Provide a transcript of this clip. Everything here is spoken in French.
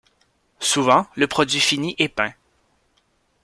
Souvent, le produit fini est peint.